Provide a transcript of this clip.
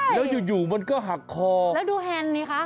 แล้วอยู่มันก็หักคอแล้วดูแฮนด์ดิคะ